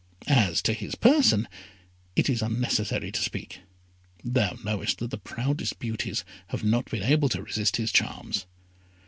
As to his person, it is unnecessary to speak thou knowest that the proudest beauties have not been able to resist his charms."